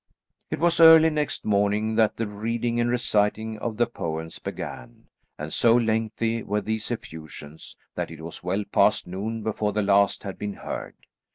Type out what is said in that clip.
It was early next morning that the reading and reciting of the poems began, and so lengthy were these effusions that it was well past noon before the last had been heard.